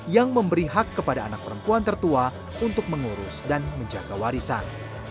yang memberi hak kepada anak perempuan tertua untuk mengurus dan menjaga warisan